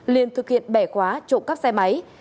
liền thực hiện bẻ khóa trộm cắp xe máy